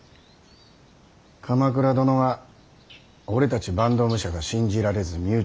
鎌倉殿は俺たち坂東武者が信じられず身内を取り立てた。